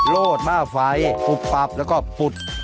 โรดหน้าไฟปุบปับแล้วก็ปุด